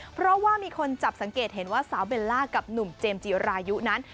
เพราะว่ามีคนจับสังเกตเห็นว่าสาวเบลล่ากับหนุ่มเจมส์จิรายุนั้น